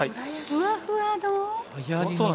ふわふわの？